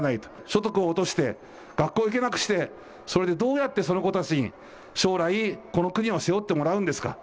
所得を落として、学校行けなくして、それでどうやってその子たちに将来この国を背負ってもらうんですか。